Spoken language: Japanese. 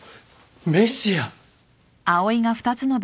メシア。